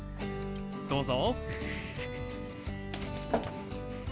どうぞ。